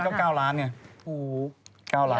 ๑๐เปอร์เซ็นต์ก็๑๐ล้านก็๙ล้านเนี่ย๑๐เปอร์เซ็นต์ก็๑๐ล้านครับ